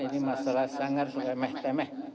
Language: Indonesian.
ini masalah sangat meh temeh